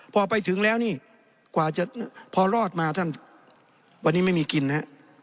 พอไปถึงแล้วนี่กว่าจะพอรอดมาท่านวันนี้ไม่มีกินนะฮะ